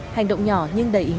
hành động nhỏ nhưng đầy ý nghĩa này